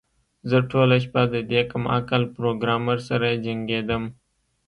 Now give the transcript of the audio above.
زه ټوله شپه د دې کم عقل پروګرامر سره جنګیدم